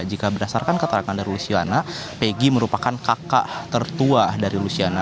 jika berdasarkan keterangan dari lusiana peggy merupakan kakak tertua dari lusiana